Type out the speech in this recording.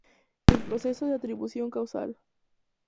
El proceso de atribución causal.